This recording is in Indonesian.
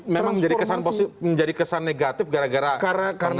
memang menjadi kesan positif menjadi kesan negatif gara gara pengertian mereka